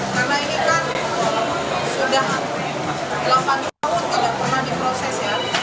karena ini kan sudah delapan tahun tidak pernah diproses ya